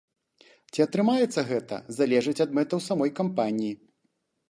Ці атрымаецца гэта, залежыць ад мэтаў самой кампаніі.